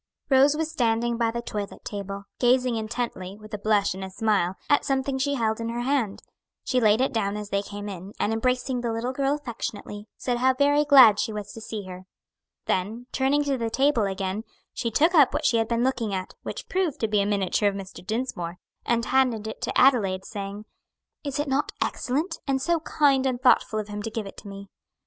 Rose was standing by the toilet table, gazing intently, with a blush and a smile, at something she held in her hand. She laid it down as they came in, and embracing the little girl affectionately, said how very glad she was to see her. Then, turning to the table again, she took up what she had been looking at which proved to be a miniature of Mr. Dinsmore and handed it to Adelaide, saying, "Is it not excellent? and so kind and thoughtful of him to give it to me."